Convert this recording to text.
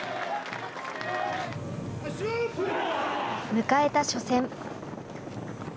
迎えた初戦。